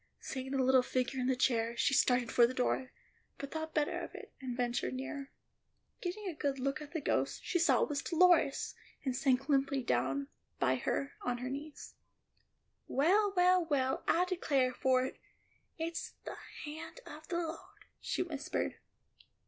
Seeing the little figure in the chair, she started for the door, but thought better of it, and ventured nearer. Getting a good look at the ghost, she saw it was Dolores, and sank limply down by her on her knees. "Well, well, well, I declare for it, it's the hand of the Lord," she whispered.